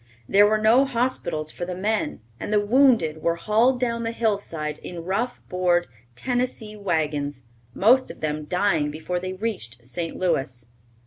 There were no hospitals for the men, and the wounded were hauled down the hillside in rough board Tennessee wagons, most of them dying before they reached St. Louis.